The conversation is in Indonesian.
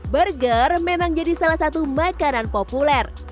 burger memang jadi salah satu makanan populer